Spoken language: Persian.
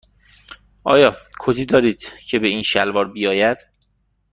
آیا کتی دارید که به این شلوار بیاید؟